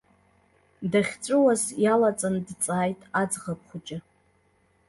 Дахьҵәыуаз иалаҵан дҵааит аӡӷаб хәыҷы.